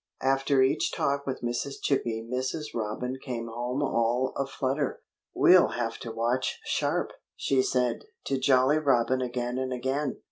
After each talk with Mrs. Chippy Mrs. Robin came home all a flutter. "We'll have to watch sharp!" she said to Jolly Robin again and again.